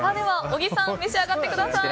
小木さん、召し上がってください。